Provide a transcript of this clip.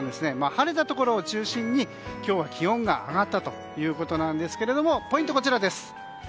晴れたところを中心に、今日は気温が上がったということですがポイントはこちら。